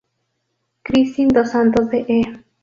Kristin dos Santos de "E!